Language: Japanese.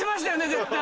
絶対。